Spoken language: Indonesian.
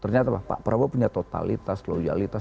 ternyata pak prabowo punya totalitas loyalitas